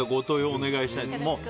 お願いしたい。